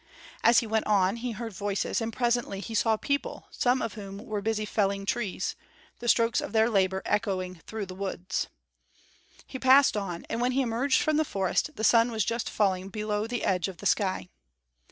As he went on, he heard voices, and presently he saw people, some of whom were busy felling trees, the strokes of their labor echoing through the woods. He passed on, and when he emerged from the forest, the sun was just falling below the edge of the sky.